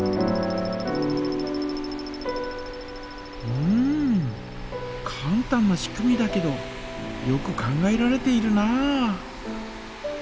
うんかん単な仕組みだけどよく考えられているなあ。